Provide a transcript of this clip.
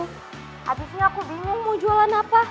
habisnya aku bingung mau jualan apa